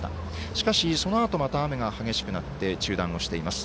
しかし、そのあとまた雨が激しくなって中断しています。